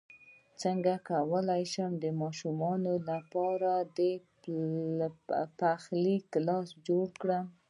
څنګه کولی شم د ماشومانو لپاره د پخلی کلاس جوړ کړم